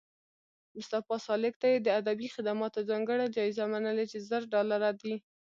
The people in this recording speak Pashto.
مصطفی سالک ته یې د ادبي خدماتو ځانګړې جایزه منلې چې زر ډالره دي